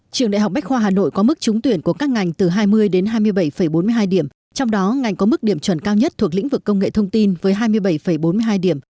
trường đại học bách khoa hà nội có mức trúng tuyển của các ngành từ hai mươi đến hai mươi bảy bốn mươi hai điểm trong đó ngành có mức điểm chuẩn cao nhất thuộc lĩnh vực công nghệ thông tin với hai mươi bảy bốn mươi hai điểm